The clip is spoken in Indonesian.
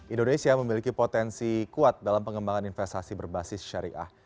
indonesia memiliki potensi kuat dalam pengembangan investasi berbasis syariah